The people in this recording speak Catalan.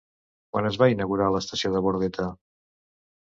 Quan es va inaugurar l'estació de Bordeta?